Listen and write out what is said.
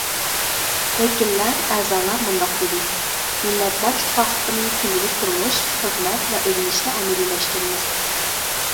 ۋەكىللەر، ئەزالار مۇنداق دېدى: مىللەتلەر ئىتتىپاقلىقىنى كۈندىلىك تۇرمۇش، خىزمەت ۋە ئۆگىنىشتە ئەمەلىيلەشتۈرىمىز.